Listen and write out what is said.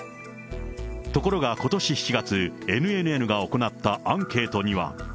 ところがことし７月、ＮＮＮが行ったアンケートには。